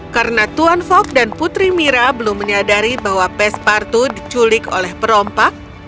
karena tuan fok dan putri mira belum menyadari bahwa pespartu diculik oleh perompak